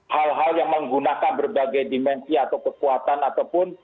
hal hal yang menggunakan berbagai dimensi atau kekuatan ataupun